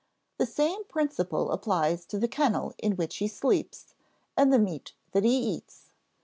The same principle applies to the kennel in which he sleeps and the meat that he eats.